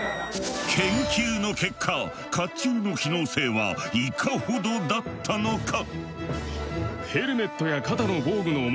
研究の結果甲冑の機能性はいかほどだったのか？